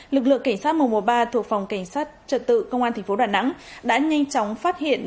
lực lượng cảnh sát mùa mùa ba thuộc phòng cảnh sát trật tự công an thành phố đà nẵng đã nhanh chóng phát hiện